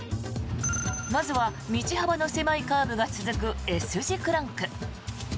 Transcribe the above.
まずは道幅の狭いカーブが続くＳ字クランク。